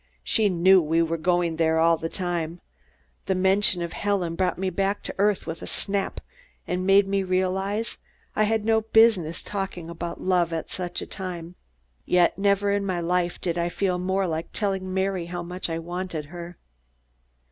She knew we were going there all the time. The mention of Helen brought me back to earth with a snap, and made me realize I had no business talking about love at such a time. Yet never in my life did I feel more like telling Mary how much I wanted her.